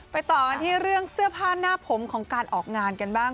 ต่อกันที่เรื่องเสื้อผ้าหน้าผมของการออกงานกันบ้าง